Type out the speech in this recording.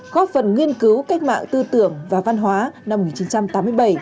góp phần nghiên cứu cách mạng tư tưởng và văn hóa năm một nghìn chín trăm tám mươi bảy